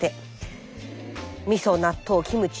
みそ納豆キムチ